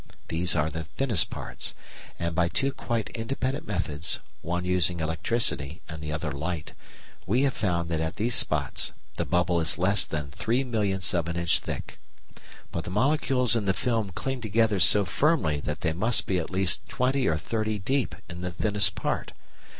These are their thinnest parts, and by two quite independent methods one using electricity and the other light we have found that at these spots the bubble is less than the three millionth of an inch thick! But the molecules in the film cling together so firmly that they must be at least twenty or thirty deep in the thinnest part.